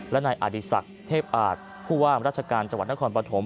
และในอดิษักร์เทพอาทผู้ว่างรัชการจังหวัดนครปฐม